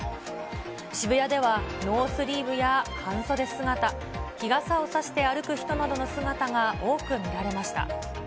渋谷ではノースリーブや半袖姿、日傘を差して歩く人などの姿が多く見られました。